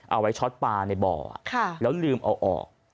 เอาไว้ช็อตปลาในบ่อแล้วลืมเอาออก